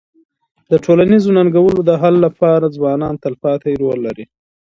د ټولنیزو ننګونو د حل لپاره ځوانان تلپاتې رول لري.